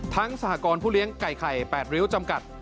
สหกรณ์ผู้เลี้ยงไก่ไข่๘ริ้วจำกัด